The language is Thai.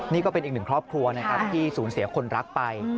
นี่ก็เป็นอีกหนึ่งครอบครัวนะครับที่สูญเสียคนรักไป